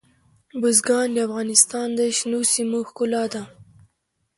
بزګان د افغانستان د شنو سیمو ښکلا ده.